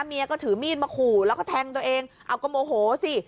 เมียก็ถือมีดมาขู่แล้วก็แทงตัวเองเอาก็โมโหสิ